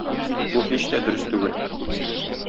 Бу һич тә дөрес түгел.